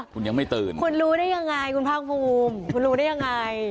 คุณยังไม่ตื่นคุณรู้ได้ยังไงคุณภาคภูมิคุณรู้ได้ยังไง